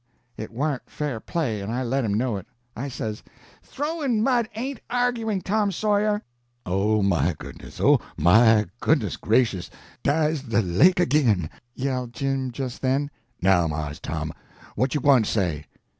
It warn't fair play, and I let him know it. I says: "Throwin' mud ain't arguin', Tom Sawyer." "Oh, my goodness, oh, my goodness gracious, dah's de lake agi'n!" yelled Jim, just then. "Now, Mars Tom, what you gwine to say?"